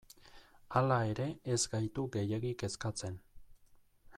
Hala ere, ez gaitu gehiegi kezkatzen.